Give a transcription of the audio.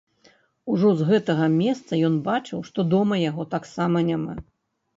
Ужо з гэтага месца ён бачыў, што дома яго таксама няма.